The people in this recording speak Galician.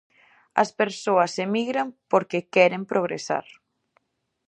As persoas emigran porque queren progresar.